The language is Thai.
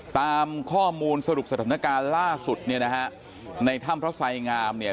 ตามข้อมูลสรุปสถานการณ์ล่าสุดเนี่ยนะฮะในถ้ำพระไสงามเนี่ย